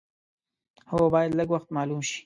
هو باید لږ وخته معلوم شي.